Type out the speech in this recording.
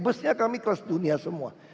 busnya kami kelas dunia semua